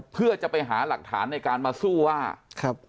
เพื่อจะไปหาหลักฐานในการมาสู้ว่าครับ